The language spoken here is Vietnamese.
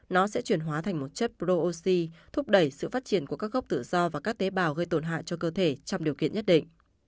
nó sẽ chuyển hóa thành một chất proxi thúc đẩy sự phát triển của các gốc tự do và các tế bào gây tổn hại cho cơ thể trong điều kiện nhất định